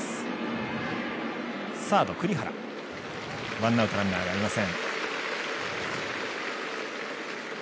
ワンアウトランナーがありません。